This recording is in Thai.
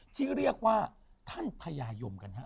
ที่เรียกว่าท่านพญายมกันฮะ